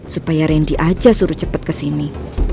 supaya randy aja suruh cepet ke sini